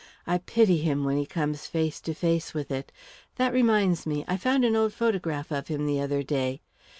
I pity him when he comes face to face with it. That reminds me I found an old photograph of him the other day."